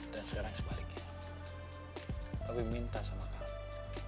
dan sekarang sebaliknya papi minta sama kamu